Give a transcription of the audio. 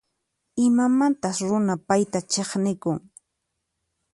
Imamantas runa payta chiqnikun?